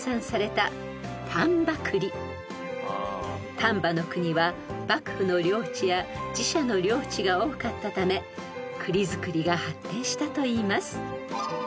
［丹波国は幕府の領地や寺社の領地が多かったため栗作りが発展したといいます］